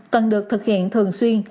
cần được thực hiện thường xuyên